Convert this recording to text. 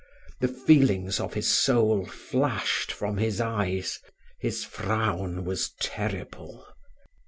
The feelings of his soul flashed from his eyes his frown was terrible.